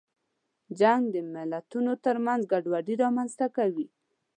جنګ د ملتونو ترمنځ ګډوډي رامنځته کوي.